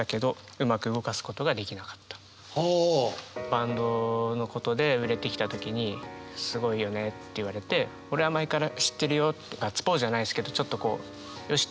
バンドのことで売れてきた時にすごいよねって言われて俺は前から知ってるよってガッツポーズじゃないですけどちょっとこうよし！